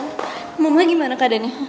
rahman mamahnya gimana keadaannya